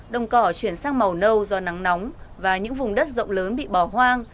đồng cỏ chuyển sang màu nâu do nắng nóng và những vùng đất rộng lớn bị bỏ hoang